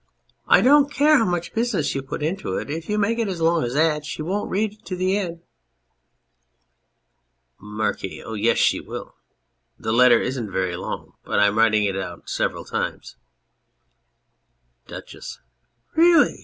1 don't care how much business you put into it ; if you make it as long as that she won't read to the end. MARQUIS. Oh, yes, she will. The letter isn't very long, but I'm writing it out several times. DUCHESS. Really !